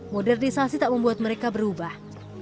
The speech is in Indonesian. modernisasi tak membuat mereka berubah